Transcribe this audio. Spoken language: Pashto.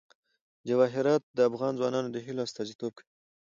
جواهرات د افغان ځوانانو د هیلو استازیتوب کوي.